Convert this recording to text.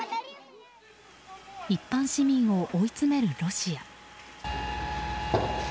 一般市民を追い詰めるロシア。